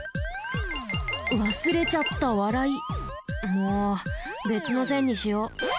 もうべつの線にしよう。